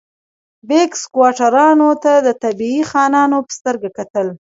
بیګ سکواټورانو ته د طبیعي خانانو په سترګه کتل.